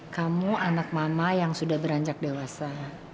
kamu anak mama yang sudah beranjak dewasa